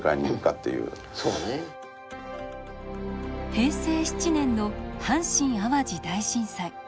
平成７年の阪神・淡路大震災。